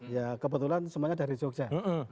ya kebetulan semuanya dari jogja